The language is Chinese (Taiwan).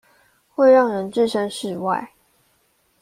會讓人置身事外